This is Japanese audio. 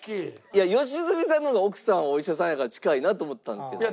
いや良純さんの方が奥さんお医者さんやから近いなと思ったんですけど。